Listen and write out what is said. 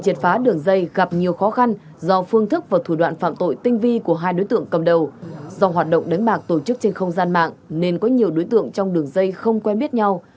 triệt phá đường dây gặp nhiều khó khăn do phương thức và thủ đoạn phạm tội tinh vi của hai đối tượng cầm đầu do hoạt động đánh bạc tổ chức trên không gian mạng nên có nhiều đối tượng trong đường dây không quen biết nhau